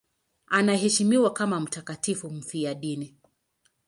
Anaheshimiwa kama mtakatifu mfiadini.